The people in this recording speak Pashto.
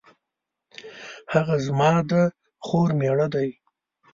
هغه زما د خور میړه دی